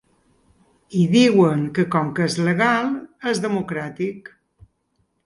I diuen que com que és legal és democràtic.